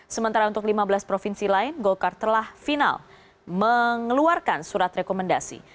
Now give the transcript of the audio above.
sementara untuk lima belas provinsi lain golkar telah final mengeluarkan surat rekomendasi